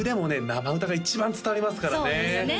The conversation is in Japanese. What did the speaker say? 生歌が一番伝わりますからね